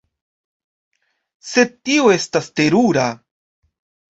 Sed tio estas terura!